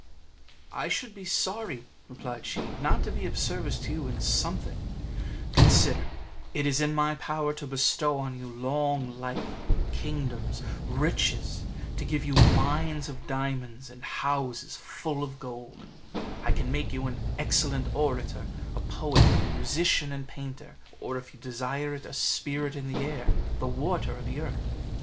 "I should be sorry," replied she, "not to be of service to you in something; consider, it is in my power to bestow on you long life, kingdoms, riches: to give you mines of diamonds, and houses full of gold; I can make you an excellent orator, poet, musician, and painter; or, if you desire it, a spirit of the air, the water, or the earth."